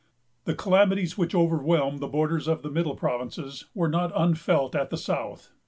The calamities which overwhelmed the borders of the middle provinces were not unfelt at the south.